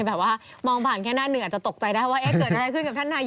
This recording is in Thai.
แบบว่ามองผ่านแค่หน้าเหนือจะตกใจได้ว่า